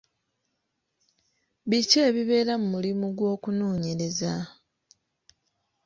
Biki ebibeera mu mulimu gw'okunoonyereza?